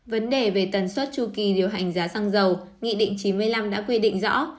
vấn đề về tần suất chu kỳ điều hành giá xăng dầu nghị định chín mươi năm đã quy định rõ